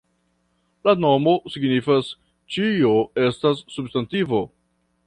La nomo signifas "Ĉio estas substantivo".